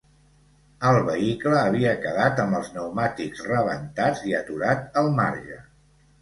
El vehicle havia quedat amb els pneumàtics rebentats i aturat al marge.